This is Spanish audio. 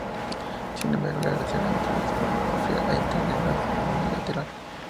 Sin embargo, la relación entre la pornografía e Internet no es unilateral.